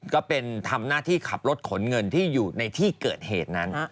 ก็เป็นทำหน้าที่ขับรถขนเงินที่อยู่ในที่เกิดเหตุนั้น